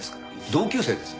同級生です。